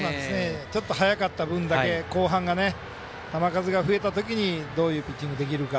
ちょっと早かった分だけ後半が球数が増えた時にどういうピッチングができるか。